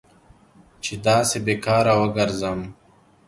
چې داسې بې کاره وګرځم.